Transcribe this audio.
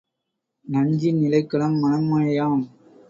நஞ்சின் நிலைக்களம் மனமேயாம்.